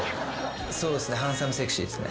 そうですねハンサムセクシーですね。